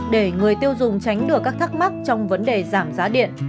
để người tiêu dùng tránh được các thắc mắc trong vấn đề giảm giá điện